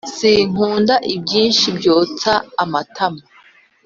sinkunda ibyinshi byotsa amatama